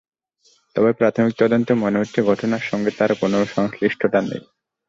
তবে প্রাথমিক তদন্তে মনে হচ্ছে, ঘটনার সঙ্গে তাঁর কোনো সংশ্লিষ্টতা নেই।